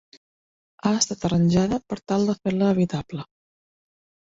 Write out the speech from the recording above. Ha estat arranjada per tal de fer-la habitable.